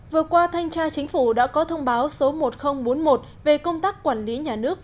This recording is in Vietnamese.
vừa qua thanh tra chính phủ đã có thông báo số một nghìn bốn mươi một về công tác quản lý nhà nước